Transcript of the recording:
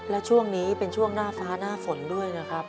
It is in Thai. และช่วงนี้เป็นช่วงหน้าฟ้าหน้าฝนด้วยนะครับ